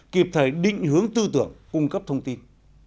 kịp thời định hướng tư tưởng cung cấp thông tin